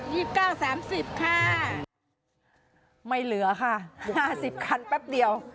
สิบเก้าสามสิบค่ะไม่เหลือค่ะห้าสิบคันแป๊บเดียว